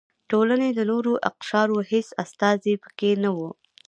ټولنې د نورو اقشارو هېڅ استازي پکې نه و.